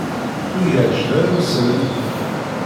Ur y-iɛǧib ara usaru-nni